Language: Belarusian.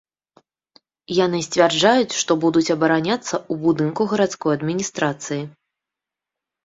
Яны сцвярджаюць, што будуць абараняцца ў будынку гарадской адміністрацыі.